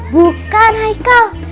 bukan hai kal